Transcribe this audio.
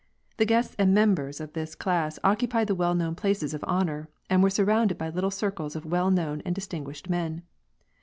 The guests and members lOf this class occupied the well known places of honor, .and were sarrounded by little circles of well known and distinguished lien.